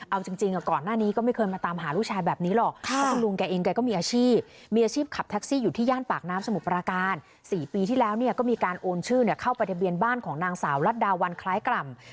เอาจริงก่อนหน้านี้ก็ไม่เคยมาตามหาลูกชายแบบนี้หรอก